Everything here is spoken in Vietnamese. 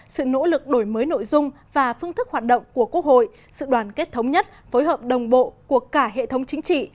sự nỗ lực đổi mới nội dung và phương thức hoạt động của quốc hội sự đoàn kết thống nhất phối hợp đồng bộ của cả hệ thống chính trị